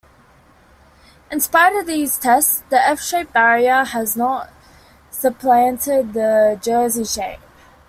In spite of these tests, the F-shape barrier has not supplanted the Jersey-shape.